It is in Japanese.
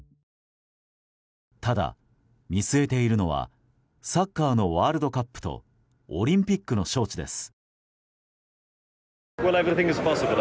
ただ、見据えているのはサッカーのワールドカップとオリンピックの招致です。